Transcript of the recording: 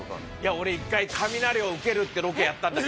俺一回雷を受けるってロケやったんです。